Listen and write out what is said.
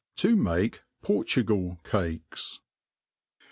I To make Portugal Cahes.